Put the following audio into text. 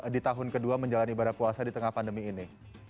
di tahun kedua menjalani ibadah puasa di tengah pandemi ini